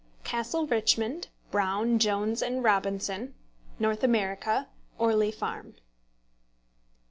CASTLE RICHMOND BROWN, JONES, AND ROBINSON NORTH AMERICA ORLEY FARM.